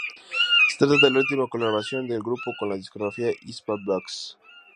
Se trata de la última colaboración del grupo con la discográfica Hispavox.